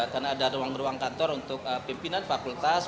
karena ada ruang ruang kantor untuk pimpinan fakultas